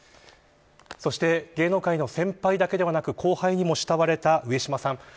そして芸能界の先輩だけではなく後輩にも慕われた上島さん。